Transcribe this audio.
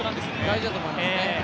大事だと思いますね。